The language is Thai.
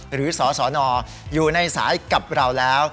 หรือสสนอยู่ในสายกับเราแล้ว